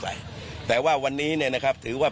แต่ว่าวันนี้ถือว่าเป็นการเริ่มต้นวันนี้ถือว่า